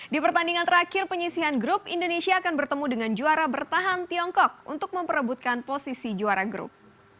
di pertandingan terakhir penyisihan grup indonesia akan bertemu dengan juara bertahan tiongkok untuk memperebutkan posisi juara grup